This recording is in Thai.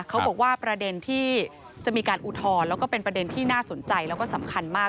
เขาบอกว่าประเด็นที่จะมีการอุทธรณ์แล้วก็เป็นประเด็นที่น่าสนใจแล้วก็สำคัญมาก